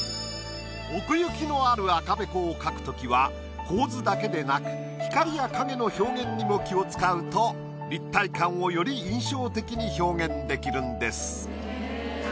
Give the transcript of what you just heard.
奥行きのある赤べこを描く時は構図だけでなく光や影の表現にも気を使うと立体感をより印象的に表現できるんです。